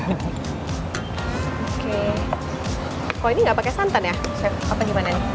kalo ini nggak pake santan ya chef